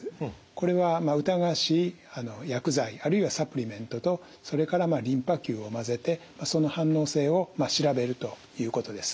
これは疑わしい薬剤あるいはサプリメントとそれからリンパ球を混ぜてその反応性を調べるということです。